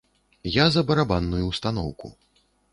Я за барабанную ўстаноўку.